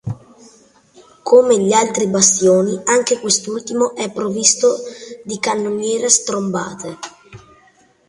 Come gli altri bastioni anche quest'ultimo è provvisto di cannoniere strombate.